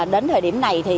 đến thời điểm này